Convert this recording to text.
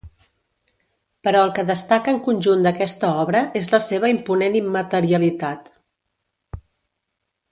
Però el que destaca en conjunt d'aquesta obra és la seva imponent immaterialitat.